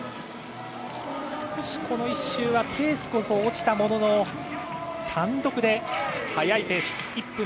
少しこの１周はペースこそ落ちたものの単独で速いペース。